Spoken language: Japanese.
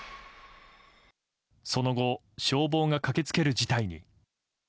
その後、消防が駆け付ける事態に。